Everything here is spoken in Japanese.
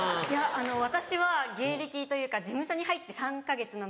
私は芸歴というか事務所に入って３か月なので。